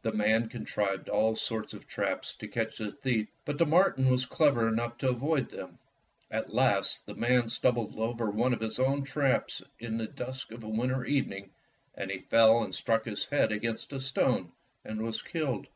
The man contrived all sorts of traps to catch the thief, but the marten was clever enough to avoid them. At last, the man stumbled over one of his own traps in the dusk of a winter evening, and he fell and struck his head against a stone and was killed.